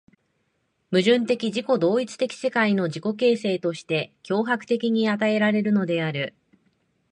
矛盾的自己同一的世界の自己形成として強迫的に与えられるのである。